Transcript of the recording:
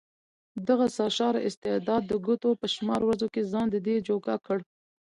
دغه سرشاره استعداد د ګوتو په شمار ورځو کې ځان ددې جوګه کړ.